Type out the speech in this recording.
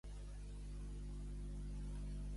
Busqueu el programa de televisió Jenny of the Prairie.